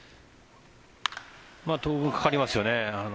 当分かかりますよね。